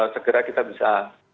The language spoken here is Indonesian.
segera kita bisa